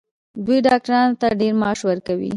دوی ډاکټرانو ته ډیر معاش ورکوي.